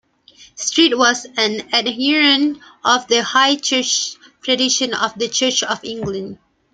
Street was an adherent of the high church tradition of the Church of England.